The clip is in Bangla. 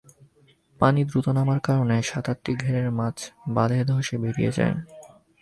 পানি দ্রুত নামার কারণে সাত-আটটি ঘেরের মাছ বাঁধ ধসে বেরিয়ে যায়।